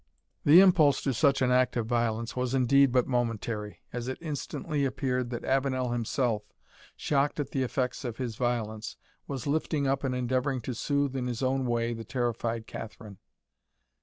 The impulse to such an act of violence was indeed but momentary, as it instantly appeared that Avenel himself, shocked at the effects of his violence, was lifting up and endeavouring to soothe in his own way the terrified Catherine.